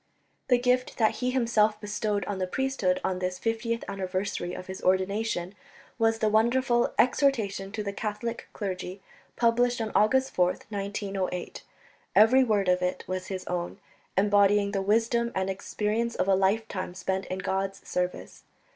The gift that he himself bestowed on the priesthood on this fiftieth anniversary of his ordination was the wonderful Exhortation to the Catholic Clergy, published on August 4th, 1908. Every word of it was his own, embodying the wisdom and experience of a lifetime spent in God's service.